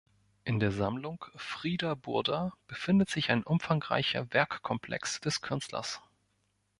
In der Sammlung Frieder Burda befindet sich ein umfangreicher Werkkomplex des Künstlers.